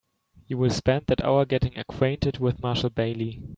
You will spend that hour getting acquainted with Marshall Bailey.